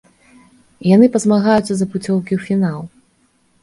Яны пазмагаюцца за пуцёўкі ў фінал.